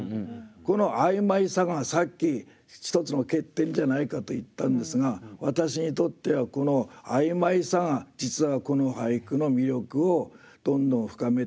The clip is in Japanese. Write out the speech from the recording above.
この曖昧さがさっき一つの欠点じゃないかと言ったんですが私にとってはこのあいまいさが実はこの俳句の魅力をどんどん深めている。